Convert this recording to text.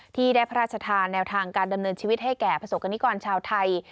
ที่ได้พระราชทานแนวทางการดำเนินชีวิตให้แก่ประสบกรณิกรชาวไทย